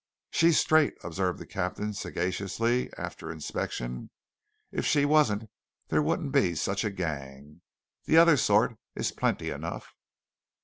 "She's straight," observed the captain sagaciously, after inspection; "if she wasn't there wouldn't be such a gang. The other sort is plenty enough."